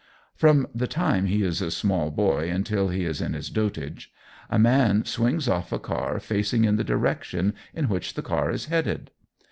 From the time he is a small boy until he is in his dotage, a man swings off a car, facing in the direction in which the car is headed.